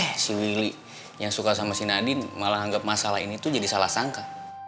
si wili yang suka sama si nadine malah anggap masalah ini tuh jadi salah sangka